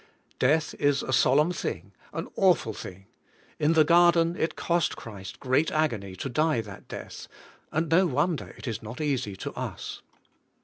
Death is a solemn thing, an awful thing. In the Garden it cost Christ great agony to die that death; and no wonder it is not easy to us.